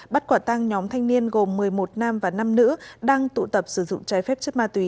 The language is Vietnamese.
bắt quả tang nhóm thanh niên gồm một mươi một nam và năm nữ đang tụ tập sử dụng trái phép chất ma túy